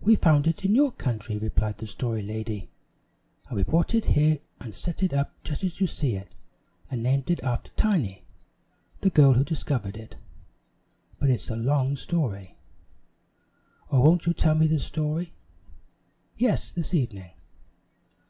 "We found it in your country," replied the Story Lady; "and we brought it here and set it up just as you see it and named it after Tiny, the girl who discovered it but it's a long story." "Oh, won't you tell me the story?" "Yes; this evening."